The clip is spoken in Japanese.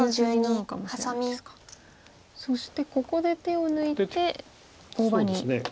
そしてここで手を抜いて大場に。